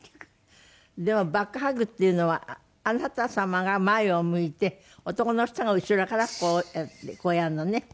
でもバックハグっていうのはあなた様が前を向いて男の人が後ろからこうやるのね。